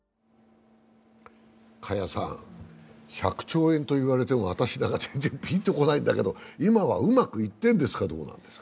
加谷さん、１００兆円と言われても私なんかは全然ピンと来ないんですけど、今はうまくいってるんですか、どうなんですか？